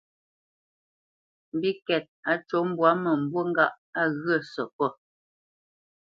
Mbîkɛ́t á cû mbwǎ mə̂mbû ŋgâʼ á ŋgyə̂ səkót.